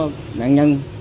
nó có nạn nhân